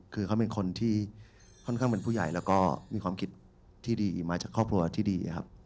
คือเขาเป็นคนที่ค่อนข้างเป็นผู้ใหญ่แล้วก็มีความคิดที่ดีมาจากครอบครัวที่ดีครับ